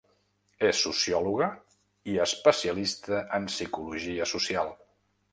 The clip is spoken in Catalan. És sociòloga i especialista en psicologia social.